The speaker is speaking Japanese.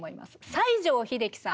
西城秀樹さん